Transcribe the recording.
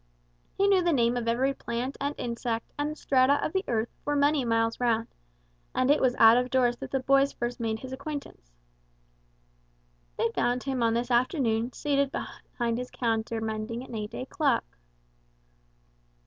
He knew the name of every plant and insect, and the strata of the earth for many miles round; and it was out of doors that the boys first made his acquaintance. They found him on this afternoon seated behind his counter mending an eight day clock.